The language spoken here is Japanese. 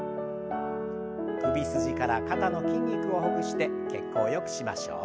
首筋から肩の筋肉をほぐして血行をよくしましょう。